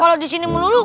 kalo disini melulu